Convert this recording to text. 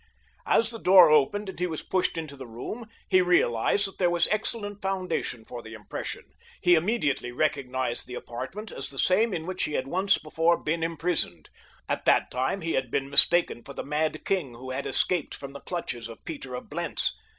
As the door opened and he was pushed into the room he realized that there was excellent foundation for the impression—he immediately recognized the apartment as the same in which he had once before been imprisoned. At that time he had been mistaken for the mad king who had escaped from the clutches of Peter of Blentz.